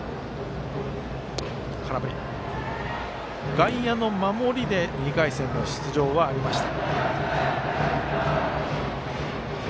外野の守りで２回戦の出場はありました。